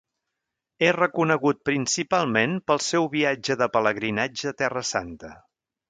És reconegut principalment pel seu viatge de pelegrinatge a Terra Santa.